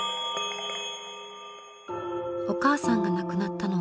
お母さんが亡くなったのは亞